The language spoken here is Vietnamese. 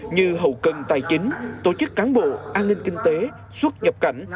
như hậu cần tài chính tổ chức cán bộ an ninh kinh tế xuất nhập cảnh